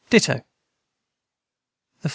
Dito. the 4.